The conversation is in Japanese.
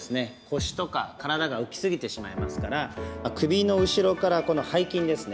腰とか体が浮きすぎてしまいますから首の後ろから、この背筋ですね。